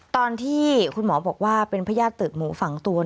ตอนที่คุณหมอบอกว่าเป็นพญาติตืดหมูฝังตัว